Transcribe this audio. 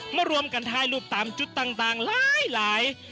รวมกันถ่ายรูปตามจุดต่างหลาย